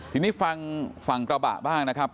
ทีนี้ฟังฝั่งกระบะบ้างนะครับ